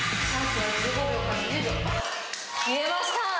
消えました。